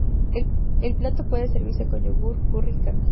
El plato puede servirse con yogur, curry y carne.